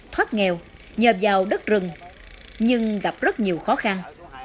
thoát nghèo nhờ vào đất rừng nhưng gặp rất nhiều khó khăn